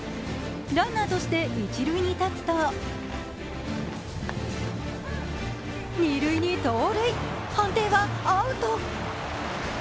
ランナーとして一塁に立つと二塁に盗塁判定はアウト。